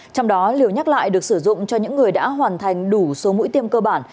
trong đó liều nhắc lại được sử dụng cho những người đã hoàn thành đủ số mũi tiêm cơ bản